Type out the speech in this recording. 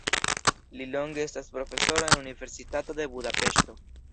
Li longe estas profesoro en Universitato de Budapeŝto.